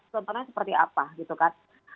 contohnya seperti apa gitu kan